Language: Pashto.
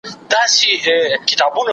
ښه ذهنیت اندیښنه نه خپروي.